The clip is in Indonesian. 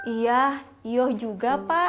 iya iya juga pak